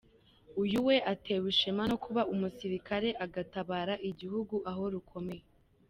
Uyu we atewe ishema no kuba umusirikare agatabara igihugu aho rukomeye.